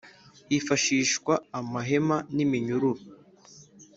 hifashishwa amahema n’iminyururu